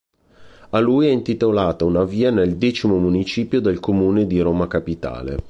A lui è intitolata una via nel X Municipio del comune di Roma Capitale.